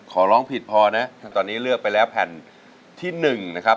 ร้องผิดพอนะตอนนี้เลือกไปแล้วแผ่นที่๑นะครับ